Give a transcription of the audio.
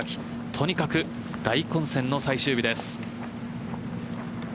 とにかく大混戦の最終日です。